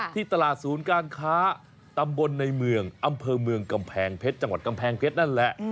ที่ตลาดศูนย์การค้าตำบลในเมืองอำเภอเมืองกำแพงเพชรจังหวัดกำแพงเพชรนั่นแหละ